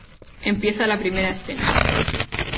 Empieza la primera escena...